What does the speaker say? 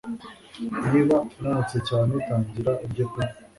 niba unanutse cyane tangira urye pe